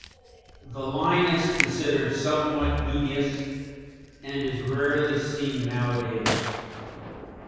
The line is considered somewhat dubious and is rarely seen nowadays.